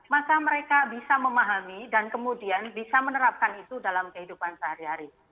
maka mereka bisa memahami dan kemudian bisa menerapkan itu dalam kehidupan sehari hari